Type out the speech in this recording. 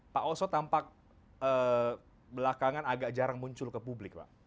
pak oso tampak belakangan agak jarang muncul ke publik pak